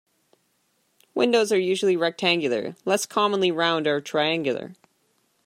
Windows are usually rectangular, less commonly round or triangular.